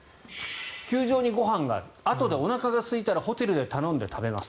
球場にご飯があるあとでおなかがすいたらホテルで頼んで食べます。